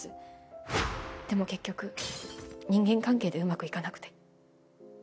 でも結局人間関係でうまくいかなくて。